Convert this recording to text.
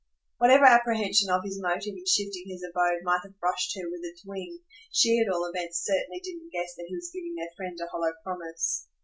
Whatever apprehension of his motive in shifting his abode might have brushed her with its wings, she at all events certainly didn't guess that he was giving their friend a hollow promise.